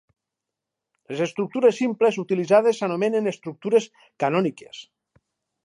Les estructures simples utilitzades s'anomenen estructures canòniques.